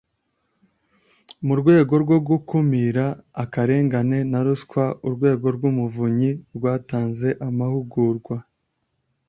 Mu rwego rwo gukumira akarengane na ruswa Urwego rw Umuvunyi rwatanze amahugurwa